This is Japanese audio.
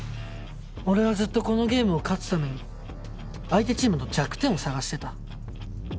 俺はずっとこのゲームに勝つために相手チームの弱点を探してた。